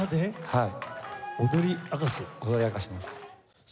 はい。